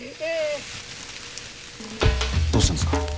どうしたんですか？